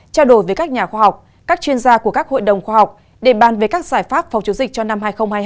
trao đổi với các nhà khoa học các chuyên gia của các hội đồng khoa học để bàn về các giải pháp phòng chống dịch cho năm hai nghìn hai mươi hai